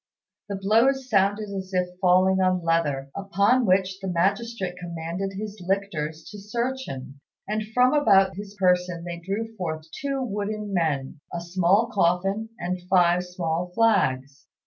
The blows sounded as if falling on leather, upon which the magistrate commanded his lictors to search him; and from about his person they drew forth two wooden men, a small coffin, and five small flags.